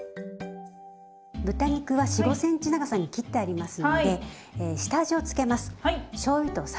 豚肉は４５ｃｍ長さに切ってありますので下味をつけます。